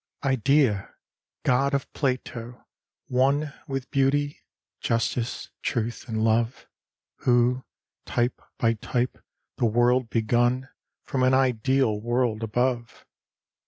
III Idea, god of Plato! one With beauty, justice, truth and love: Who, type by type, the world begun From an ideal world above!